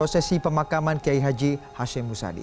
prosesi pemakaman kiai haji hashim musadi